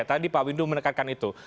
tadi pak windu menekankan itu